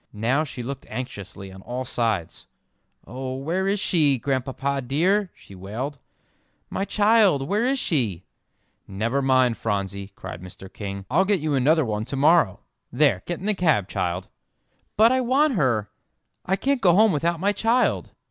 Now she looked anxiously on all sides. "Oh, where is she, Grandpapa dear?" she wailed, "my child; where is she?" "Never mind, Phronsie," cried Mr. King, "I'll get you another one to morrow. There, get in the cab, child." "But I want her I can't go home without my child!"